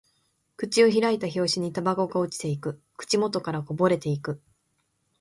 口を開いた拍子にタバコが落ちていく。口元からこぼれていく。